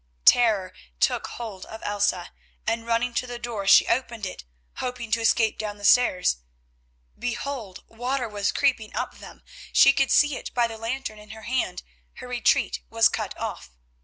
Terror took hold of Elsa, and running to the door she opened it hoping to escape down the stairs. Behold! water was creeping up them, she could see it by the lantern in her hand—her retreat was cut off.